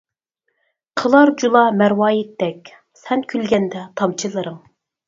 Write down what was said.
قىلار جۇلا مەرۋايىتتەك، سەن كۈلگەندە تامچىلىرىڭ.